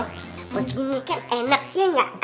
seperti ini kan enak sih enggak